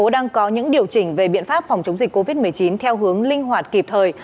để điều chỉnh về biện pháp phòng chống dịch covid một mươi chín theo hướng linh hoạt kịp thời